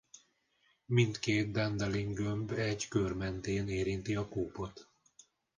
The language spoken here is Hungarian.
Mindkét Dandelin-gömb egy kör mentén érinti a kúpot.